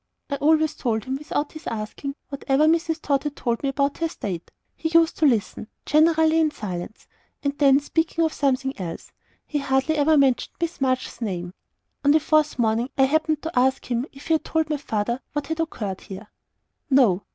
I always told him, without his asking, whatever Mrs. Tod had told me about her state; he used to listen, generally in silence, and then speak of something else. He hardly ever mentioned Miss March's name. On the fourth morning, I happened to ask him if he had told my father what had occurred here? "No."